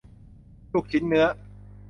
ลูกชิ้นเนื้อ